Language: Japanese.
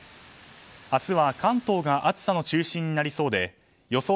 明日は関東が暑さの中心になりそうで予想